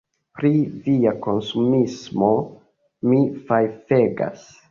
Pri via konsumismo mi fajfegas!